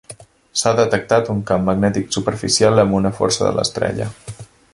S'ha detectat un camp magnètic superficial amb una força de l'estrella.